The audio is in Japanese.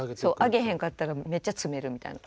上げへんかったらめっちゃ詰めるみたいな。